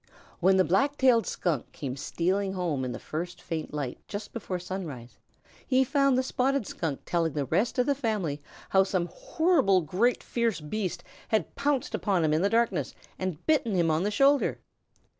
When the Black tailed Skunk came stealing home in the first faint light just before sunrise, he found the Spotted Skunk telling the rest of the family how some horrible great fierce beast had pounced upon him in the darkness and bitten him on the shoulder.